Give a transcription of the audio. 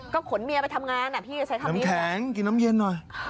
ก็ขนเมียไปทำงานอ่ะพี่จะใช้คำนี้แข็งกินน้ำเย็นหน่อย